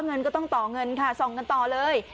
เงินก็ต้องต่อเงินค่ะส่องกันต่อเลย